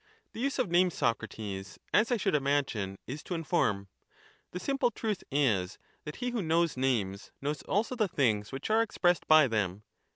The use of names, Socrates, as I should imagine, is Cratyius to inform: the simple truth is, that he who knows names '"^'"'^"^ that ■^_ he who knows knows also the things which are expressed by them.